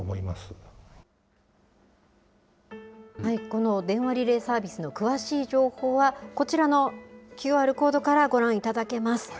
この電話リレーサービスの詳しい情報は、こちらのＱＲコードからご覧いただけます。